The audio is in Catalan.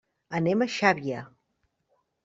Anem a Xàbia.